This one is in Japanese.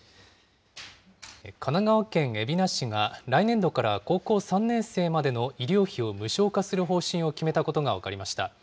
神奈川県海老名市が、来年度から高校３年生までの医療費を無償化する方針を決めたことが分かりました。